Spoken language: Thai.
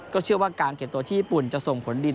เชื่อว่าการเก็บตัวที่ญี่ปุ่นจะส่งผลดี